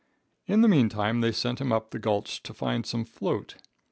In the meantime they sent him up the gulch to find some "float."